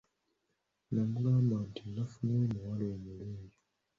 Namugamba nti nafunye omuwala omulungi,